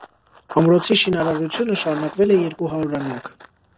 Ամրոցի շինարարությունը շարունակվել է երկու հարյուրամյակ։